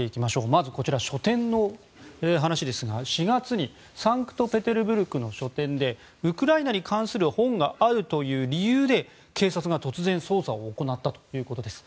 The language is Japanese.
まず、書店の話ですが４月にサンクトペテルブルクの書店でウクライナに関する本があるという理由で警察が突然、捜査を行ったということです。